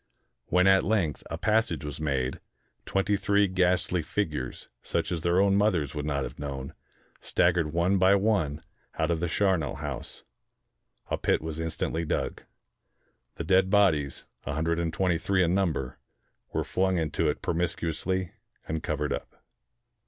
When at length a passage was made, twenty three ghastly figures, such as their own mothers would not have known, staggered one by one out of the char nel house. A pit was instantly dug. The dead bodies, a hundred and twenty three in number, were flung into it promiscuously, and covered up.